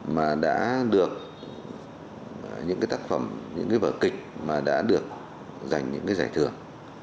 mà đã được những cái tác phẩm những cái vở kịch mà đã được dành những cái giải thưởng